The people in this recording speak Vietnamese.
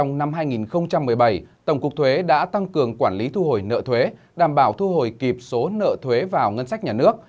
trong năm hai nghìn một mươi bảy tổng cục thuế đã tăng cường quản lý thu hồi nợ thuế đảm bảo thu hồi kịp số nợ thuế vào ngân sách nhà nước